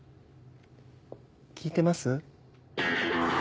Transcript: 聞いてます？